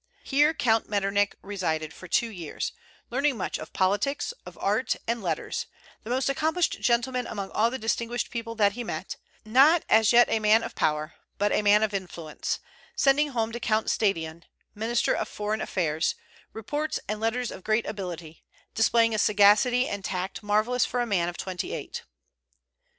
Here Count Metternich resided for two years, learning much of politics, of art, and letters, the most accomplished gentleman among all the distinguished people that he met; not as yet a man of power, but a man of influence, sending home to Count Stadion, minister of foreign affairs, reports and letters of great ability, displaying a sagacity and tact marvellous for a man of twenty eight.